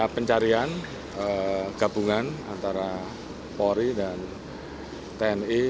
pencarian gabungan antara polri dan tni